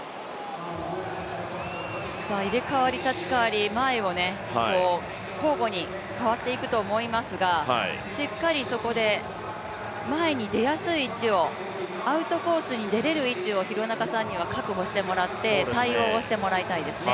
入れ替わり立ち替わり、前を交互に変わっていくと思いますが、しっかりそこで前に出やすい位置をアウトコースに出れる位置を廣中さんには確保してもらって、対応してもらいたいですね。